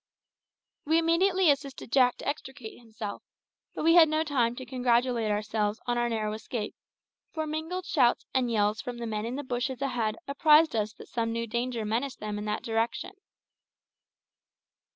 We immediately assisted Jack to extricate himself; but we had no time to congratulate ourselves on our narrow escape, for mingled shouts and yells from the men in the bushes ahead apprised us that some new danger menaced them in that direction.